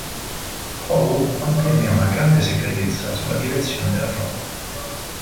Howe mantenne una grande segretezza sulla direzione della flotta.